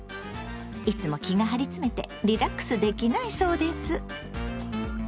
いつも気が張り詰めてリラックスできないそうです。